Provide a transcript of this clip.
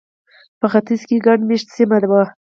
په ختیځ کې ګڼ مېشته سیمه وه.